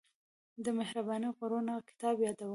د مهربانه غرونه کتاب يادوم.